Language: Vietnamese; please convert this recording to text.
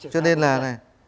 cho nên là này